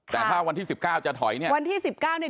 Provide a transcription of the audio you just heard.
แต่ถ้าวันที่๑๙จะถอยเนี่ย